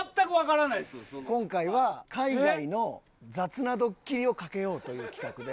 今回は海外の雑なドッキリを掛けようという企画で。